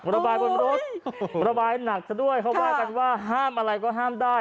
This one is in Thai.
ระบายบนรถระบายหนักซะด้วยเขาว่ากันว่าห้ามอะไรก็ห้ามได้